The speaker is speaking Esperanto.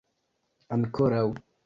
ankoraŭ